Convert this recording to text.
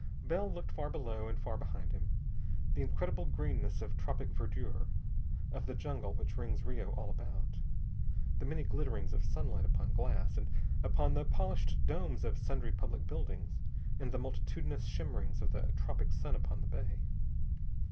Bell looked far below and far behind him. The incredible greenness of tropic verdure, of the jungle which rings Rio all about. The many glitterings of sunlight upon glass, and upon the polished domes of sundry public buildings, and the multitudinous shimmerings of the tropic sun upon the bay.